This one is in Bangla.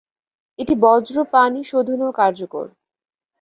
এটি বর্জ্যপানি শোধনেও কার্যকর।